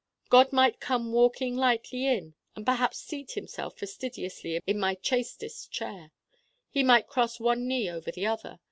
God might come walking lightly in and perhaps seat himself fastidiously in my chastest chair. He might cross one knee over the other.